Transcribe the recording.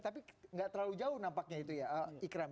tapi gak terlalu jauh nampaknya itu ya